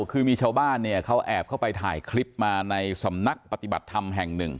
คือมีชาวบ้านเนี่ยเขาแอบเข้าไปถ่ายคลิปมาในสำนักปฏิบัติธรรมแห่งหนึ่ง